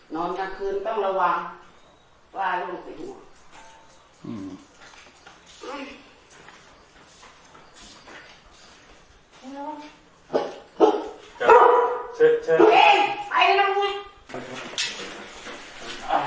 นอนอย่างคืนต้องระวังปลายลูกไปหัว